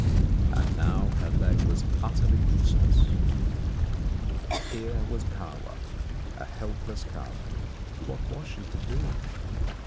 And now her leg was utterly useless, here was Kahwa a helpless cub: what was she to do?